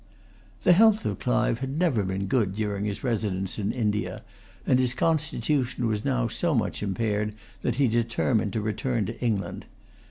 The health of Clive had never been good during his residence in India; and his constitution was now so much impaired that he determined to return to England.